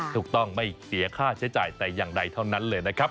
ถูกต้องไม่เสียค่าใช้จ่ายแต่อย่างใดเท่านั้นเลยนะครับ